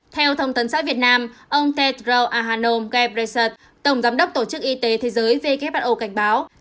theo thông tấn xã việt nam ông tedro ahanom ghebress tổng giám đốc tổ chức y tế thế giới who cảnh báo